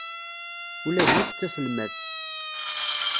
Ula d nekk d taselmadt.